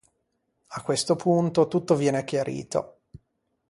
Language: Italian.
A questo punto, tutto viene chiarito.